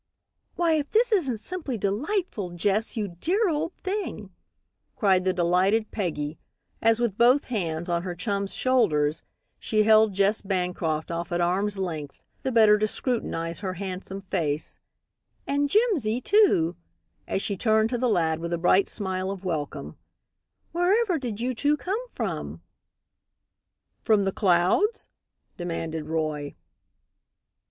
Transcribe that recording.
"Why, if this isn't simply delightful, Jess, you dear old thing," cried the delighted Peggy, as, with both hands on her chum's shoulders, she held Jess Bancroft off at arm's length, the better to scrutinize her handsome face, "and Jimsy, too," as she turned to the lad with a bright smile of welcome; "wherever did you two come from?" "From the clouds?" demanded Roy.